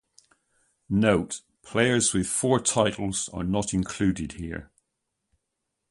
Note: players with four titles are not included here.